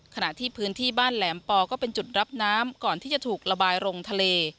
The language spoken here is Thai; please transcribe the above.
ขณะที่พื้นที่บ้านแหลมปอก็เป็นจุดรับน้ำก่อนที่จะถูกระบายลงทะเล